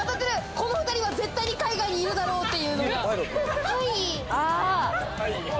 この２人は絶対に海外にいるだろうって。